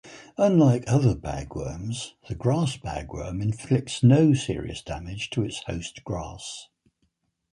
Unlike other bagworms, the grass bagworm inflicts no serious damage to its host grass.